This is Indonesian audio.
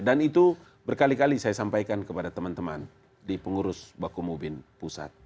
dan itu berkali kali saya sampaikan kepada teman teman di pengurus baku mubin pusat